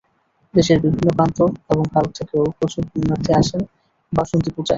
দেশের বিভিন্ন প্রান্ত এবং ভারত থেকেও প্রচুর পুণ্যার্থী আসেন বাসন্তী পূজায়।